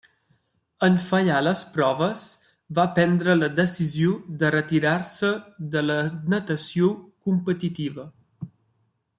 En fallar les proves, va prendre la decisió de retirar-se de la natació competitiva.